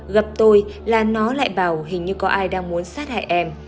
gặp tôi là nó lại bảo hình như có ai đang muốn sát hại em